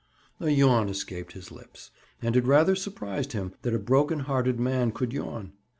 A yawn escaped his lips, and it rather surprised him that a broken hearted man could yawn.